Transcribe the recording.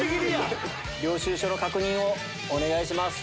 領収書の確認をお願いします。